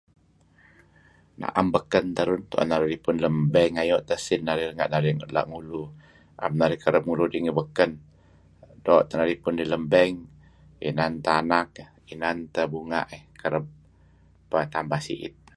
Na'em beken terun, tu'en narih ripun lem bank ayu' teh esin narih renga'ngulu, na'em men narih kereb ngulu dih ngi beken. Doo' teh narih ripun dih lem bank, inan teh anak dih, inan teh bunga' dih, kereb teh peh tambah si'it.